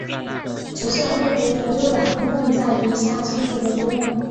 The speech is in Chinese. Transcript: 指上腭骨左右两部份在鼻下接合的部份。